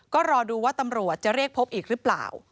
ก็รอดูว่าตำรวจจะเรียกพบอีกหรือเปล่า